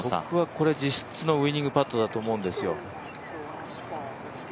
僕はこれ実質のウイニングパットだと思うんですよ。